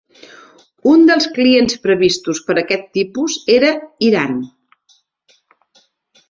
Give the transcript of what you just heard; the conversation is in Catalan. Un dels clients previstos per a aquest tipus era Iran.